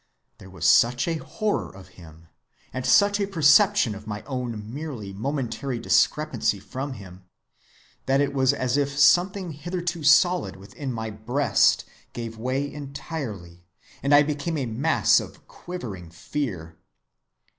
There was such a horror of him, and such a perception of my own merely momentary discrepancy from him, that it was as if something hitherto solid within my breast gave way entirely, and I became a mass of quivering fear.